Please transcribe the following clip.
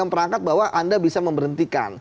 perangkat bahwa anda bisa memberhentikan